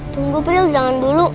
tunggu prio jangan dulu